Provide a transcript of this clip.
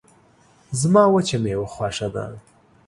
زما وچه میوه خوشه ده